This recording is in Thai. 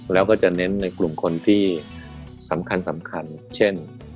แล้วก็จะเน้นในกลุ่มคนที่สำคัญสำคัญเช่น